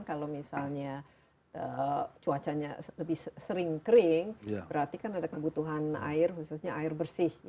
kalau misalnya cuacanya lebih sering kering berarti kan ada kebutuhan air khususnya air bersih